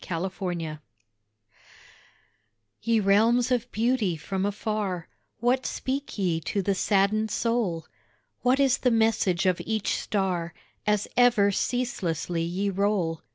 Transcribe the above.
ANSWERED Ye realms of beauty from afar, What speak ye to the saddened soul? What is the message of each star As ever ceaselessly ye roll?